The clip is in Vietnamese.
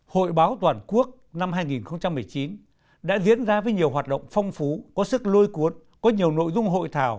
hội báo toàn quốc năm hai nghìn một mươi chín đã diễn ra với nhiều hoạt động phong phú có sức lôi cuốn có nhiều nội dung hội thảo